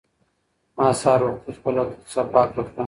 ما سهار وختي خپله کوڅه پاکه کړه.